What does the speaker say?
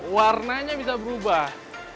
warnanya bisa berubah